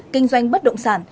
kinh doanh bất động sản